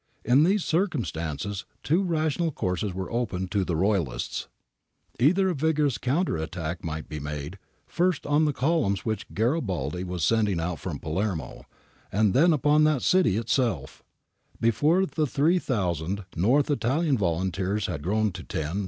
In these circumstances two rational courses were open to the Royalists. Either a vigorous counter attack might be made, first on the columns which Garibaldi was sending out from Palermo, and then upon that city itself, before the three thousand North Italian volunteers had grown to ten, fifteen, and ^ Nove Mesi, 2.